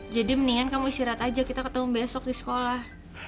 jadi mendingan kamu istirahat aja kita ketemu besok di sekolah